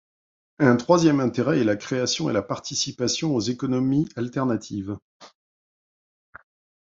Un troisième intérêt est la création et la participation aux économies alternatives.